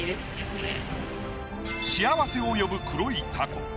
幸せを呼ぶ黒いタコ。